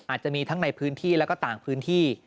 อาจจะมีทั้งในพื้นที่แล้วก็ต่างพื้นที่